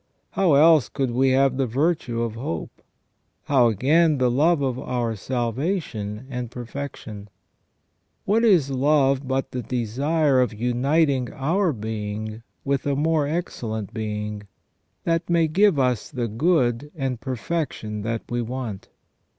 How else could we have the virtue of hope ? How, again, the love of our salvation and perfection ? What is love but the desire of uniting our being with a more excellent Being, that may give us the good and per fection that we want